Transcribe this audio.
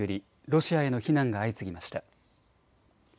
ロシアへの非難が相次ぎました。